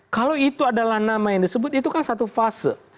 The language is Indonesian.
kalau itu adalah nama yang disebut itu kan satu fase